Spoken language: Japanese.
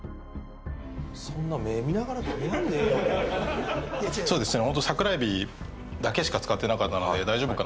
そんな目見ながら食べやんでええのにそうですね